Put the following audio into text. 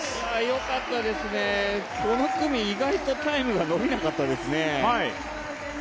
よかったですね、この組、意外とタイムが伸びなかったですね。